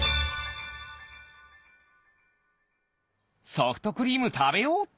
ソフトクリームたべようっと！